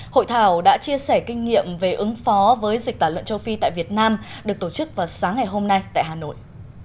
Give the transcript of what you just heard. hội thảo đã chia sẻ kinh nghiệm về ứng phó với dịch tả lợn châu phi tại việt nam được tổ chức vào sáng ngày hôm nay tại hà nội